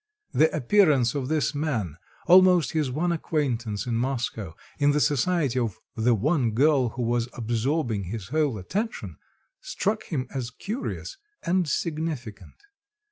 The appearance of this man, almost his one acquaintance in Moscow, in the society of the one girl who was absorbing his whole attention, struck him as curious and significant.